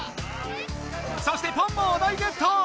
そしてポンもお題ゲット！